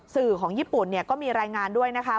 สื่อของญี่ปุ่นก็มีรายงานด้วยนะคะ